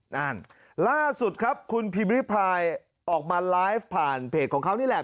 นั่นล่าสุดครับคุณพิมพิพายออกมาไลฟ์ผ่านเพจของเขานี่แหละ